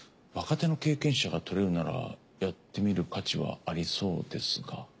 若手の経験者が採れるならやってみる価値はありそうですが。